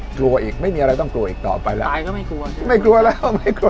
กลัวอีกไม่มีอะไรต้องกลัวอีกต่อไปแล้วตายก็ไม่กลัวไม่กลัวแล้วไม่กลัว